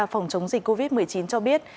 phòng chống dịch covid một mươi chín cho biết